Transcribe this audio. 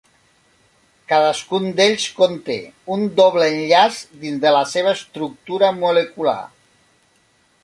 Cadascun d'ells conté un doble enllaç dins de la seva estructura molecular.